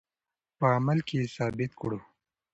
په عمل کې یې ثابته کړو.